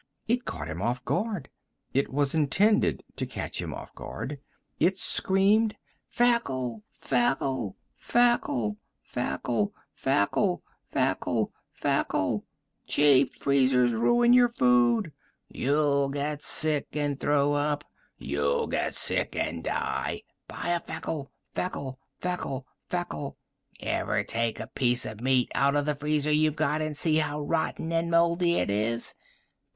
It caught him off guard; it was intended to catch him off guard. It screamed: "Feckle, Feckle, Feckle, Feckle, Feckle, Feckle, Feckle, Feckle. Cheap freezers ruin your food. You'll get sick and throw up. You'll get sick and die. Buy a Feckle, Feckle, Feckle, Feckle! Ever take a piece of meat out of the freezer you've got and see how rotten and moldy it is?